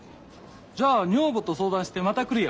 じゃあ女房と相談してまた来るよ。